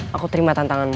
aku terima tantanganmu